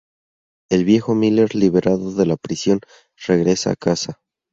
El viejo Miller, liberado de la prisión, regresa a casa.